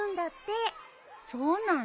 そうなんだ。